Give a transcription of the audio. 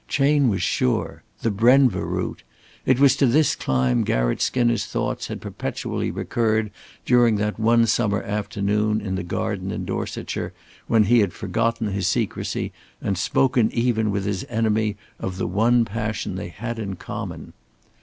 Chayne was sure. The Brenva route! It was to this climb Garratt Skinner's thoughts had perpetually recurred during that one summer afternoon in the garden in Dorsetshire, when he had forgotten his secrecy and spoken even with his enemy of the one passion they had in common.